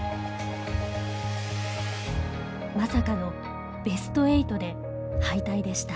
まさかのベスト８で敗退でした。